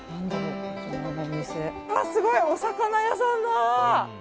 すごい。お魚屋さんだ。